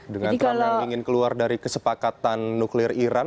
dengan trump yang ingin keluar dari kesepakatan nuklir iran